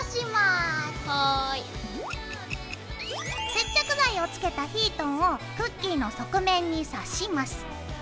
接着剤をつけたヒートンをクッキーの側面に刺します。